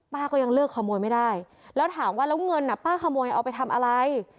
ก็ยังเลือกขโมยไม่ได้แล้วถามว่าแล้วเงินอ่ะป้าขโมยเอาไปทำอะไร